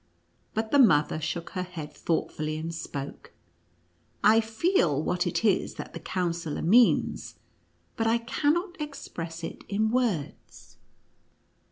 But the mother shook her head thoughtfully, and spoke: "I feel what it is that the Counsellor means, but I cannot express it in words."